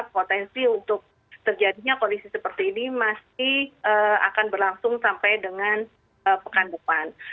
potensi untuk terjadinya kondisi seperti ini masih akan berlangsung sampai dengan pekan depan